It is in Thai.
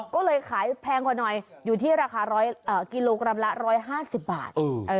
ก็เลยขายแพงกว่าหน่อยอยู่ที่ราคากิโลกรัมละ๑๕๐บาท